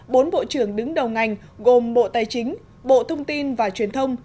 bốn bộ trưởng đứng đầu ngành gồm bộ tài chính bộ thông tin và truyền thông